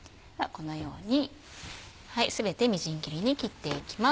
このように全てみじん切りに切っていきます。